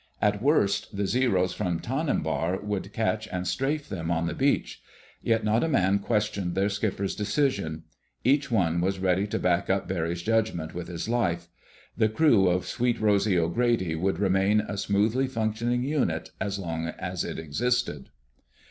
At worst, the Zeros from Tanimbar would catch and strafe them on the beach. Yet not a man questioned their skipper's decision. Each one was ready to back up Barry's judgment with his life. The crew of Sweet Rosy O'Grady would remain a smoothly functioning unit as long as it existed.